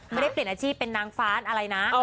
ไม่ได้เปลี่ยนอาชีพเป็นนางฟ้าอะไรนะ